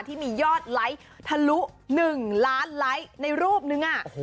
ที่มียอดไลค์ทะลุ๑ล้านไลค์ในรูปนึง